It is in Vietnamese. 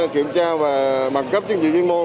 kiểm tra và mặt cấp chứng dị nhân môn